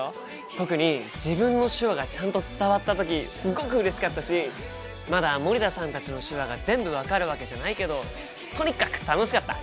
特に自分の手話がちゃんと伝わった時すごくうれしかったしまだ森田さんたちの手話が全部分かるわけじゃないけどとにかく楽しかった！